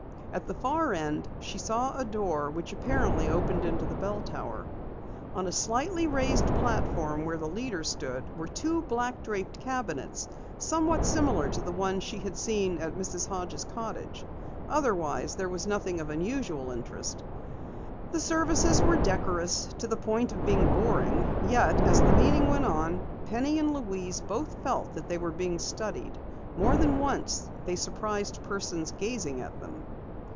At the far end she saw a door which apparently opened into the bell tower. On a slightly raised platform where the leader stood, were two black draped cabinets somewhat similar to the one she had seen at Mrs. Hodges' cottage. Otherwise, there was nothing of unusual interest. The services were decorous to the point of being boring. Yet as the meeting went on, Penny and Louise both felt that they were being studied. More than once they surprised persons gazing at them.